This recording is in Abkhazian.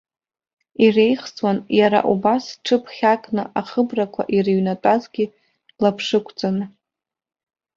Иреихсуан иара убас зҽыԥхьакны ахыбрақәа ирыҩнатәазгьы лаԥшықәҵаны.